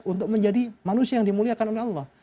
untuk menjadi manusia yang dimuliakan oleh allah